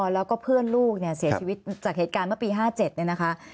แล้วก็เพื่อนลูกเนี่ยเสียชีวิตจากเหตุการณ์เมื่อปี๕๗เนี่ยนะคะ